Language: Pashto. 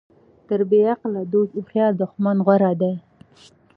تر بیعقل دوست هوښیار دښمن غوره ده.